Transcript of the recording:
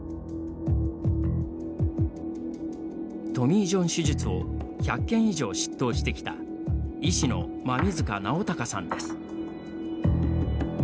トミー・ジョン手術を１００件以上執刀してきた医師の馬見塚尚孝さんです。